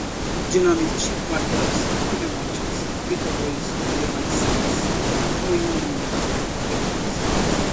dinamite, martelos pneumáticos, britadores de maxilas, moinhos de bolas